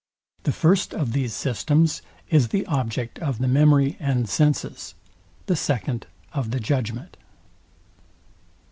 The first of these systems is the object of the memory and senses; the second of the judgment.